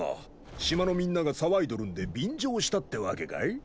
島のみんなが騒いどるんで便乗したってわけかい？